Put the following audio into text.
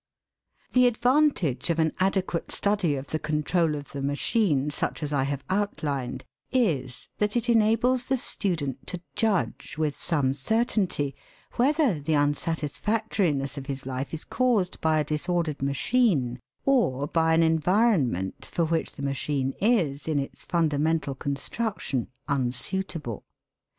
The advantage of an adequate study of the control of the machine, such as I have outlined, is that it enables the student to judge, with some certainty, whether the unsatisfactoriness of his life is caused by a disordered machine or by an environment for which the machine is, in its fundamental construction, unsuitable.